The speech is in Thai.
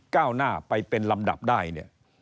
ก้าวหน้าไปเป็นลำดับได้เนี่ย